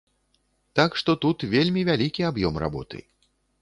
Так што, тут вельмі вялікі аб'ём работы.